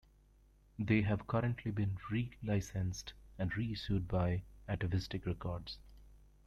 They have currently been relicensed and reissued by Atavistic Records.